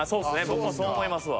僕もそう思いますわ。